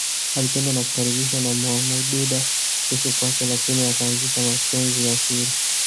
Alipendwa na kukaribishwa na Mwamududa kuishi kwake lakini akaanzisha mapenzi ya siri